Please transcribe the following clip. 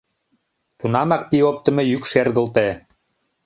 Тунамак пий оптымо йӱк шергылте.